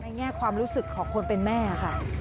แง่ความรู้สึกของคนเป็นแม่ค่ะ